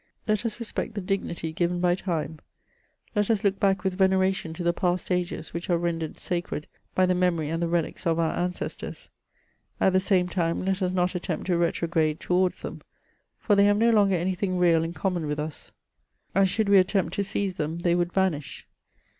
Let us respect the dignity given by time ; let us look back with veneration to the past ages which are ren dered sacred by the memory and the relics of our ancestors ; at the same time let us not attempt to retrograde towards them, for they have no longer any thing real in common with us, and should we attempt to seize them they would vanish.